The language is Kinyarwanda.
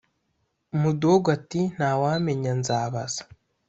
mudogo ati:ntawamenya nzabaza